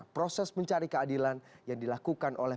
proses mencari keadilan yang dilakukan oleh